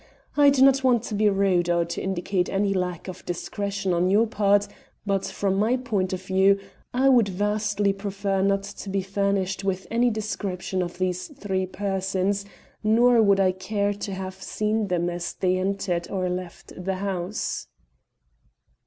I do not want to be rude, or to indicate any lack of discretion on your part, but, from my point of view, I would vastly prefer not to be furnished with any description of these three persons, nor would I care to have seen them as they entered or left the house."